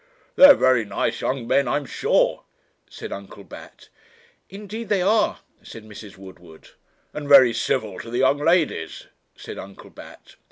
'They are very nice young men, I am sure,' said Uncle Bat. 'Indeed they are,' said Mrs. Woodward. 'And very civil to the young ladies,' said Uncle Bat.